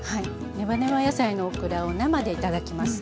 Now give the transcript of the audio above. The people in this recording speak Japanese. ネバネバ野菜のオクラを生で頂きます。